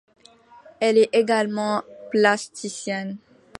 Elle est également plasticienne.